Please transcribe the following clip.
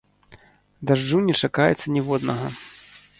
Дажджу не чакаецца ніводнага.